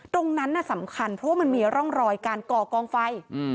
ตรงนั้นสำคัญเพราะว่ามันมีร่องรอยการก่อกองไฟ